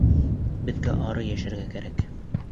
Беҙгә ары йәшәргә кәрәк.